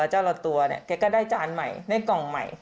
เค้าก็ได้จานใหม่ได้กล่องใหม่